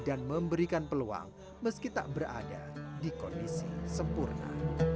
dan memberikan peluang meski tak berada di kondisi sempurna